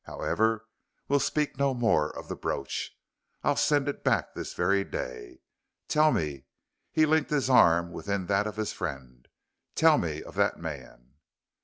However, we'll speak no more of the brooch. I'll send it back this very day. Tell me," he linked his arm within that of his friend, "tell me of that man."